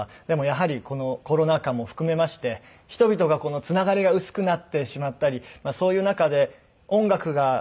でもやはりこのコロナ禍も含めまして人々がつながりが薄くなってしまったりそういう中で音楽が。